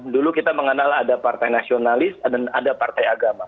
dulu kita mengenal ada partai nasionalis dan ada partai agama